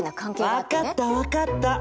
分かった分かった！